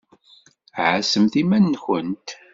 Ɛassemt iman-nwent!